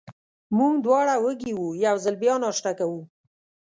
موږ دواړه وږي وو، یو ځل بیا ناشته کوو.